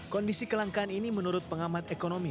kondisi kelangkaan ini menurut pengamat ekonomi